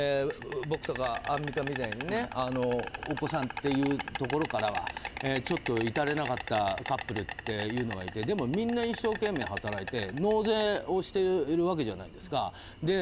僕とかアンミカみたいなお子さんというところにはちょっと至れなかったカップルっていうのがいてでも、みんな一生懸命働いて納税もしてるわけじゃないですか。